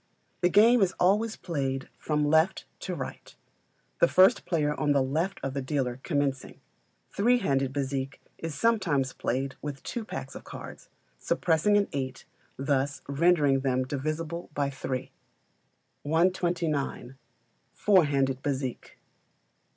The game is always played from left to right, the first player on the left of the dealer commencing. Three handed bézique is sometimes played with two packs of cards, suppressing an eight, thus rendering them divisible by three. 129. Four Handed Bezique.